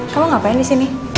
kau ngapain disini